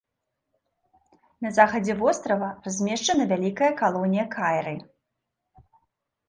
На захадзе вострава размешчана вялікая калонія кайры.